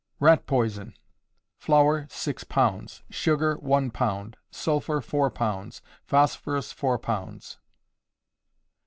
Rat Poison. Flour, six pounds; sugar, one pound; sulphur, four pounds; phosphorus, four pounds.